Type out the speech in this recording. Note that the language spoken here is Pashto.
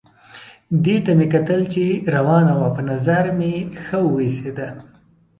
دې ته مې کتل چې روانه وه، په نظر مې ښه وه ایسېده.